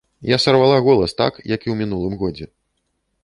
Я сарвала голас так, як і ў мінулым годзе.